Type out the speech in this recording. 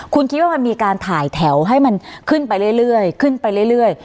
คุณคิดว่ามันมีการถ่ายแถวให้มันขึ้นไปเรื่อย